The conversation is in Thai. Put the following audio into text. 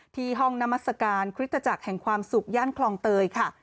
ที่ห้องนามัศกาลคริสตจักรแห่งความสุขย่านคลองเตยค่ะ